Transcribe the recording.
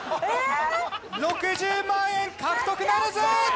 ６０万円獲得ならず！